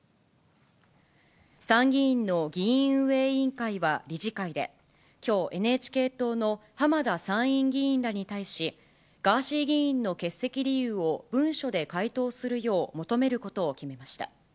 参議院の議院運営委員会は理事会で、きょう、ＮＨＫ党の浜田参院議員らに対し、ガーシー議員の欠席理由を、文書で回答するよう求めることを決めました。